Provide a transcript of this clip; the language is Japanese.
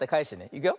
いくよ。